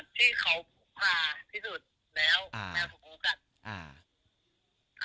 ที่เขาคลาที่สุดแล้วแมวถูกงูกัด